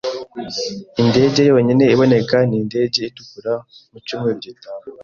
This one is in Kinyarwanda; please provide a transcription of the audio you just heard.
Indege yonyine iboneka ni indege itukura mu cyumweru gitaha.